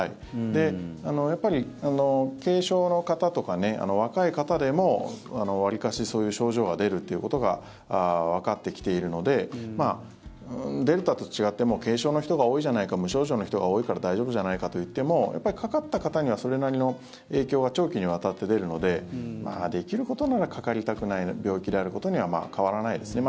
やっぱり軽症の方とか若い方でもわりかし、そういう症状が出るっていうことがわかってきているのでデルタと違って軽症の人が多いじゃないか無症状の人が多いから大丈夫じゃないかといってもやっぱり、かかった方にはそれなりの影響は長期にわたって出るのでできることならかかりたくない病気であることには変わらないですね。